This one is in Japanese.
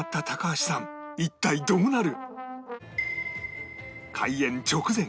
一体どうなる？